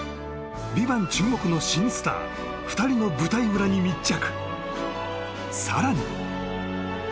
「ＶＩＶＡＮＴ」注目の新スター２人の舞台裏に密着